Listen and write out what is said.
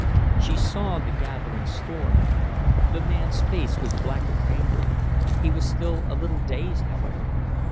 She saw the gathering storm. The man's face was black with anger. He was still a little dazed however.